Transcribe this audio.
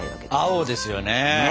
青ですよね！